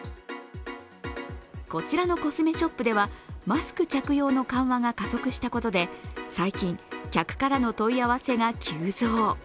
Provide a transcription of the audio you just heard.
こちらのコスメショップでは、マスク着用の緩和が加速したことで、最近、客からの問い合わせが急増。